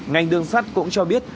ngành đường sắt cũng cho biết